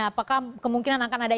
apakah kemungkinan akan ada